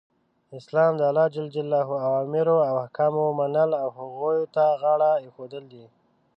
اسلام د الله ج اوامرو او احکامو منل او هغو ته غاړه ایښودل دی .